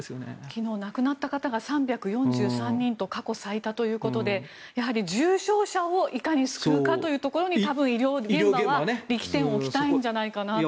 昨日亡くなった方が３４３人と過去最多ということでやはり重症者をいかに救うかというところに医療現場は力点を置きたいんじゃないかなと。